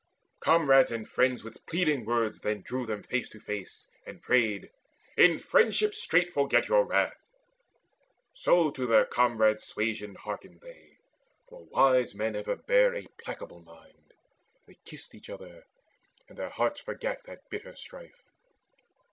Comrades and friends With pleading words then drew them face to face, And prayed, "In friendship straight forget your wrath." So to their comrades' suasion hearkened they; For wise men ever bear a placable mind. They kissed each other, and their hearts forgat That bitter strife.